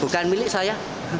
bukan milik saya